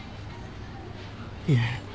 いえ。